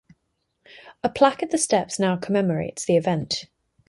A plaque at the steps now commemorates the event.